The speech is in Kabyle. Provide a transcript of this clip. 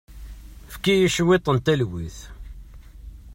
Efk-iyi cwiṭ n talwit.